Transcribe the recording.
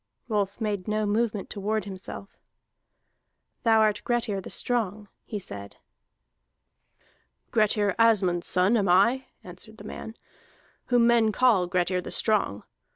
Rolf made no movement to ward himself. "Thou art Grettir the Strong," he said. "Grettir Asmund's son am I," answered the man, "whom men call Grettir the Strong.